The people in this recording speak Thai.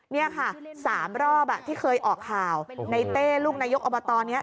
นี่ค่ะ๓รอบที่เคยออกข่าวในเต้ลูกนายกอบตนี้